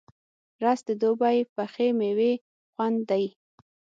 رس د دوبی پخې میوې خوند دی